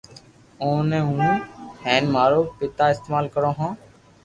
او ني ھون ھين مارو پيتا استمعال ڪرو ھون